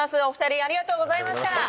お二人ありがとうございました！